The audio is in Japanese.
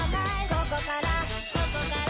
ここからここから